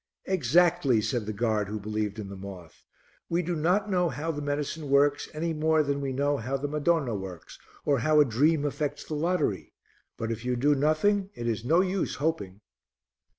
'" "Exactly," said the guard who believed in the moth, "we do not know how the medicine works any more than we know how the Madonna works, or how a dream affects the lottery, but if you do nothing it is no use hoping."